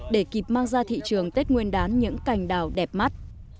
để kịp mang ra thị trường tết nguyên đán những cành đào đẹp mắt